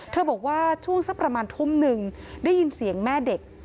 บอกว่าช่วงสักประมาณทุ่มหนึ่งได้ยินเสียงแม่เด็ก